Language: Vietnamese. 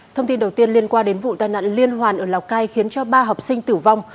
thông tin đầu tiên liên quan đến vụ tai nạn liên hoàn ở lào cai khiến cho ba học sinh tử vong